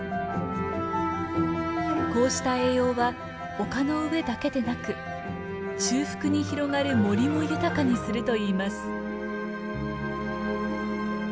こうした栄養は丘の上だけでなく中腹に広がる森も豊かにするといいます。